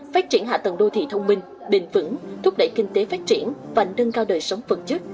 phát triển hạ tầng đô thị thông minh bền vững thúc đẩy kinh tế phát triển và nâng cao đời sống phần chức